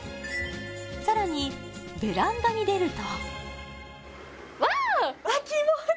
さらにベランダに出るとわ！